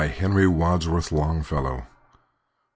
Henry Wadsworth Longfellow 778.